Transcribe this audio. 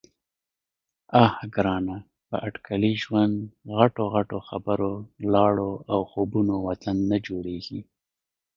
_اه ګرانه! په اټکلي ژوند، غټو غټو خبرو، لاړو او خوبونو وطن نه جوړېږي.